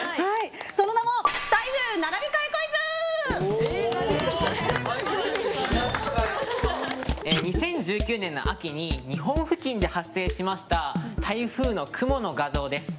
その名も２０１９年の秋に日本付近で発生しました台風の雲の画像です。